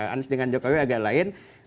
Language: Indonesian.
anies dengan jokowi agak lain